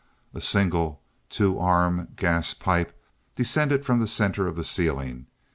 A single two arm gas pipe descended from the center of the ceiling.